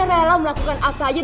rela melakukan apa aja